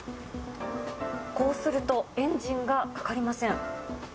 こうすると、エンジンがかかりません。